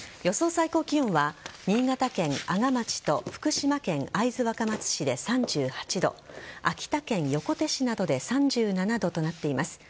最高気温は新潟県阿賀町と福島県会津若松市で３８度秋田県横手市などで３７度となっています。